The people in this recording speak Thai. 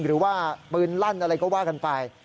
หรือว่าปืนลั่นอะไรก็ว่ากันไป